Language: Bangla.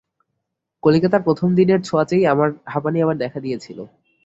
কলিকাতার প্রথম দিনের ছোঁয়াচেই আমার হাঁপানি আবার দেখা দিয়েছিল।